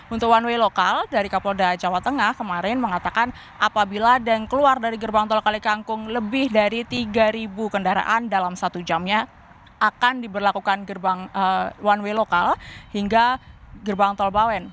untuk one way lokal dari kapolda jawa tengah kemarin mengatakan apabila dan keluar dari gerbang tol kalikangkung lebih dari tiga kendaraan dalam satu jamnya akan diberlakukan gerbang one way lokal hingga gerbang tol bawen